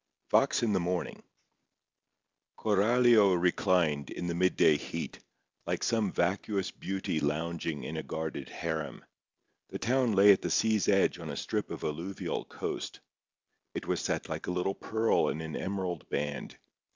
I "FOX IN THE MORNING" Coralio reclined, in the mid day heat, like some vacuous beauty lounging in a guarded harem. The town lay at the sea's edge on a strip of alluvial coast. It was set like a little pearl in an emerald band.